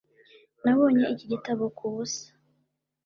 Nabonye iki gitabo kubusa